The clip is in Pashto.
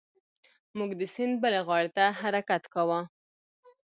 موږ د سیند بلې غاړې ته حرکت کاوه.